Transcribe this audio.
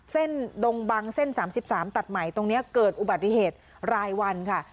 ดงบังเส้น๓๓ตัดใหม่ตรงนี้เกิดอุบัติเหตุรายวันค่ะ